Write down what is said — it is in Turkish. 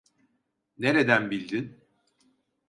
Nerden bildin?